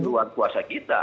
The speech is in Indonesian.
di luar kuasa kita